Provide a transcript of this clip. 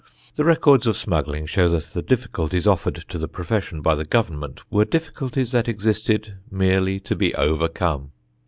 The records of smuggling show that the difficulties offered to the profession by the Government were difficulties that existed merely to be overcome.